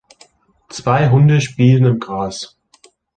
Zwei Hunde spielen im Gras